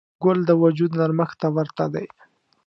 ګل د وجود نرمښت ته ورته دی.